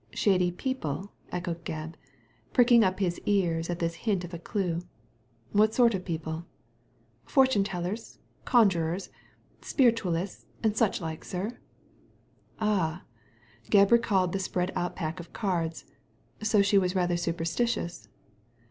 " Shady people !" echoed Gebb, pricking up his ears at this hint of a clue ;" what sort of people ?" "Fortune tellers, conjurors, spiritualists, and such like, sir." Ah !" Gebb recalled the spread out pack of cards, " so she was rather superstitious."